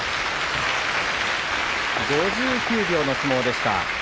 ５９秒の相撲でした。